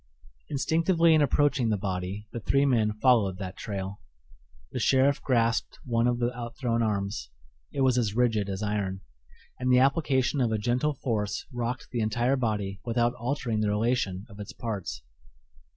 Instinctively in approaching the body the three men followed that trail. The sheriff grasped one of the outthrown arms; it was as rigid as iron, and the application of a gentle force rocked the entire body without altering the relation of its parts.